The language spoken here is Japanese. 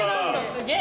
すげえ。